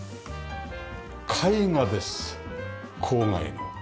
絵画です郊外の。